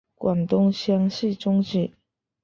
广东乡试中举。